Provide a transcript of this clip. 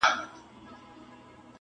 چي وژلي یې بېځایه انسانان وه!!